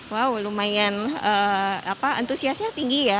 wow lumayan antusiasnya tinggi ya